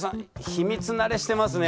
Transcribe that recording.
秘密慣れしてますね。